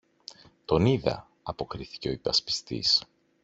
τον είδα, αποκρίθηκε ο υπασπιστής.